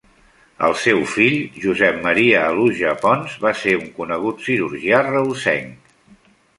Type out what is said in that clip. El seu fill, Josep Maria Aluja Pons, va ser un conegut cirurgià reusenc.